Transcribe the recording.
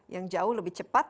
yang jauh lebih cepat